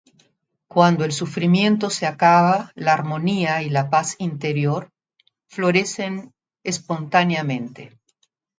Cuando el sufrimiento se acaba, la armonía y la paz interior florecen espontáneamente.